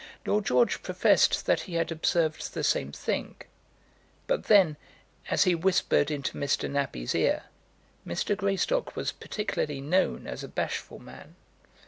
Lord George professed that he had observed the same thing; but then, as he whispered into Mr. Nappie's ear, Mr. Greystock was particularly known as a bashful man.